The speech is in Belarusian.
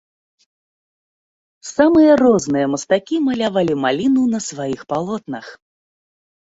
Самыя розныя мастакі малявалі маліну на сваіх палотнах.